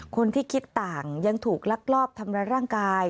คนที่คิดต่างยังถูกลักลอบทำร้ายร่างกาย